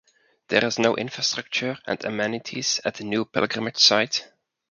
There is no infrastructure and amenities at the new pilgrimage site.